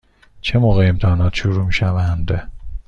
چه موقع امتحانات شروع می شوند؟